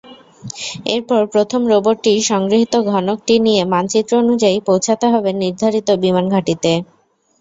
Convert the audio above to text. এরপর প্রথম রোবটটির সংগৃহীত ঘনকটি নিয়ে মানচিত্র অনুযায়ী পৌঁছাতে হবে নির্ধারিত বিমানঘাঁটিতে।